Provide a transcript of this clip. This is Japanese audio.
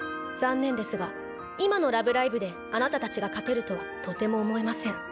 残念ですが今の「ラブライブ！」であなたたちが勝てるとはとても思えません。